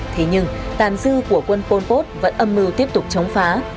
thế nhưng tàn dư của quân pol pot vẫn âm mưu tiếp tục chống phá